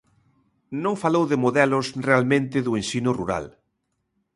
Non falou de modelos realmente do ensino rural.